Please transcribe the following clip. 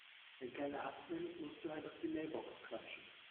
Wenn keiner abnimmt, musst du halt auf die Mailbox quatschen.